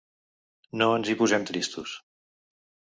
No ens hi posem tristos.